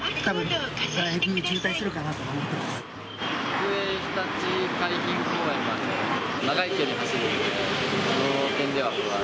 だいぶ渋滞するかなと思っていま国営ひたち海浜公園まで、長い距離走るんで、その点では不安。